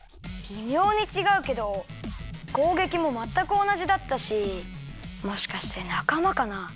びみょうにちがうけどこうげきもまったくおなじだったしもしかしてなかまかな？